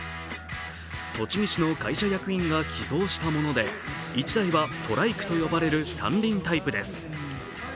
栃木市の会社役員が寄贈したもので１台はトライクと呼ばれる三輪タイプです。